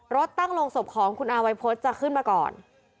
ตั้งโรงศพของคุณอาวัยพฤษจะขึ้นมาก่อน